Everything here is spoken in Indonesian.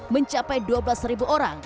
mencapai dua belas orang